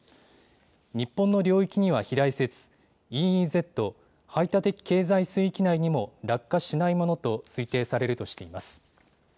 日本の領域には飛来せず、ＥＥＺ・排他的経済水域内にも落下しないものと推定されるとしています。